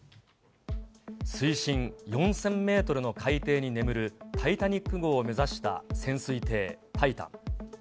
水深４０００メートルの海底に眠るタイタニック号を目指した潜水艇タイタン。